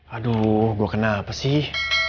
aduh gue kenapa sih